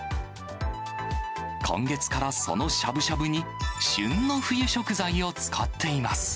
今月からそのしゃぶしゃぶに、旬の冬食材を使っています。